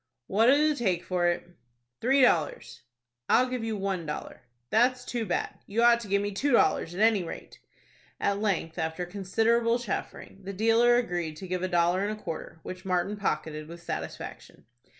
"What'll you take for it?" "Three dollars." "I'll give you one dollar." "That's too bad. You ought to give me two dollars, at any rate." At length, after considerable chaffering, the dealer agreed to give a dollar and a quarter, which Martin pocketed with satisfaction.